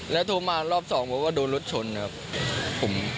แล้วโทรมารอบสองบอกว่าโดนรถชนครับ